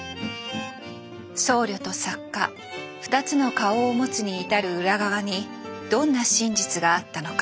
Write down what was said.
僧侶と作家２つの顔を持つに至る裏側にどんな真実があったのか。